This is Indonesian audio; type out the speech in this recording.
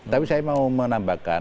tapi saya mau menambahkan